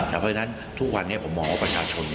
เพราะฉะนั้นทุกวันนี้ผมมองว่าประชาชน